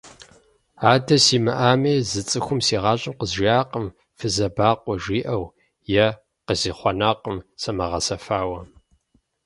Адэ симыӀами, зы цӀыхум си гъащӀэм къызжиӀакъым фызабэкъуэ жиӀэу, е къызихъуэнакъым самыгъэсэфауэ.